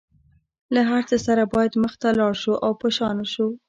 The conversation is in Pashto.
له هر څه سره باید مخ ته لاړ شو او په شا نشو.